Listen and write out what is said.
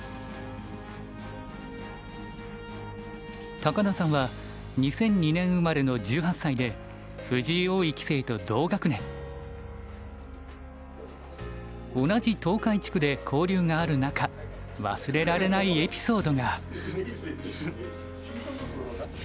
高田さんは２００２年生まれの１８歳で同じ東海地区で交流がある中忘れられないエピソードが。